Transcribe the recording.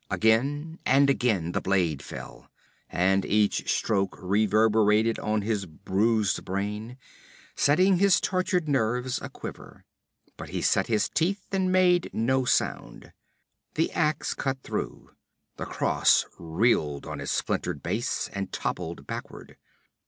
Again and again the blade fell, and each stroke reverberated on his bruised brain, setting his tortured nerves aquiver. But he set his teeth and made no sound. The ax cut through, the cross reeled on its splintered base and toppled backward.